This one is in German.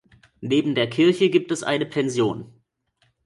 Neben der Kirche gibt es eine Pension.